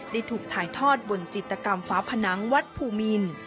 ได้ถูกถ่ายทอดบนจิตกรรมฝาผนังวัดภูมิน